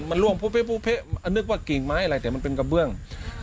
มันล่วงเพะนึกว่ากิ่งไม้อะไรแต่มันเป็นกระเบื้อง